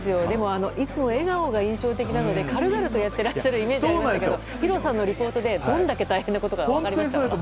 でもいつも笑顔が印象的なので軽々とやってらっしゃるイメージありましたけど弘さんのリポートでどれだけ大変なことか分かりました。